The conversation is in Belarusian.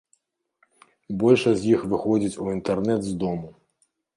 Большасць з іх выходзіць у інтэрнэт з дому.